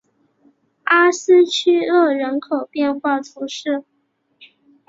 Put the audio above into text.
阿斯屈厄人口变化图示